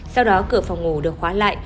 sau đó cửa phòng ngủ được khóa lại